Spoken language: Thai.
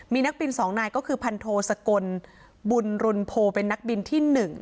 มีนักบิน๒นายก็คือพันโทสกลบุญรุนโพเป็นนักบินที่๑